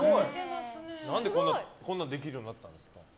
何で、こんなんできるようになったんですか。